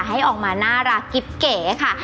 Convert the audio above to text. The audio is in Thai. ให้ออกมาน่ารักกิ๊บเก๋ค่ะ